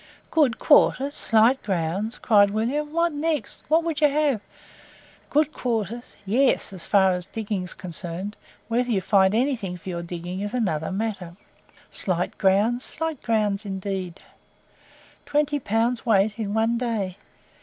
"Good quarters! slight grounds!" cried William; "what next? what would you have? Good quarters! yes, as far as diggings concerned whether you find anything for your digging is another matter. Slight grounds, indeed! twenty pounds weight in one day!